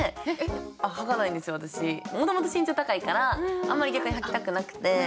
もともと身長高いからあんまり逆に履きたくなくて。